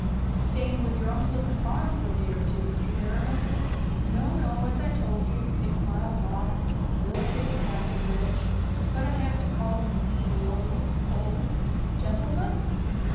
'Staying with your uncle at the farm for a day or two, Mr. Derriman?' 'No, no; as I told you, six mile off. Billeted at Casterbridge. But I have to call and see the old, old ' 'Gentleman?'